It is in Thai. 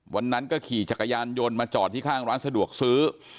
วันนั้นก็ขี่จักรยานยนต์มาจอดที่ข้างร้านสะดวกซื้อ